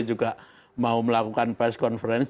juga mau melakukan press conference